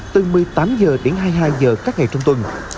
từ một mươi tám h đến hai mươi hai h các ngày trong tuần